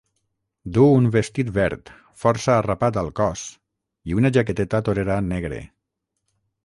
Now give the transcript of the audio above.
Du un vestit verd, força arrapat al cos, i una jaqueteta torera negre.